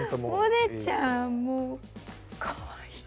萌音ちゃんもうかわいい。